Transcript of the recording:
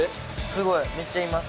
すごいめっちゃいます。